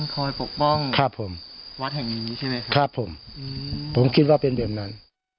ปกป้องครับผมวัดแห่งนี้ใช่ไหมครับครับผมผมคิดว่าเป็นแบบนั้น